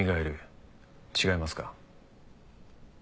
違いますか？